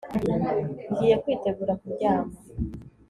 ngiye kwitegura kuryama